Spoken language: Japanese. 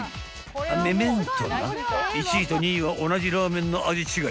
［あっめめんとな１位と２位は同じラーメンの味違い］